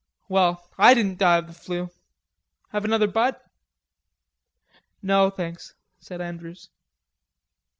Well, I didn't die of the flu. Have another butt?" "No, thanks," said Andrews.